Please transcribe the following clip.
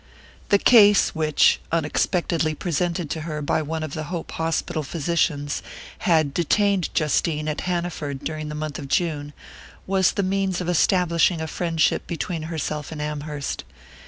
The "case" which, unexpectedly presented to her by one of the Hope Hospital physicians, had detained Justine at Hanaford during the month of June, was the means of establishing a friendship between herself and Amherst.